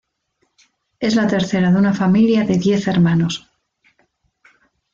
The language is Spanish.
Es la tercera de una familia de diez hermanos.